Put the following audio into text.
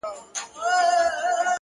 هسي نه چي په دنیا پسي زهیر یم »!